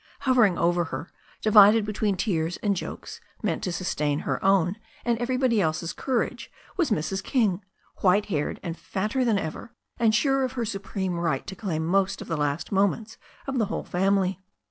Hovering over her, divided between tears and jokes meant to sustain her own and everybody else's courage, was Mrs. King, white haired and fatter than ever, and sure of her supreme right to claim most of the last moments of the whole family.